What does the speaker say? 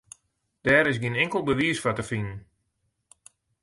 Dêr is gjin inkeld bewiis foar te finen.